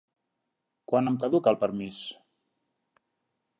Quan em caduca el permís?